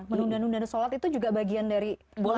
menunda nunda sholat itu juga bagian dari bola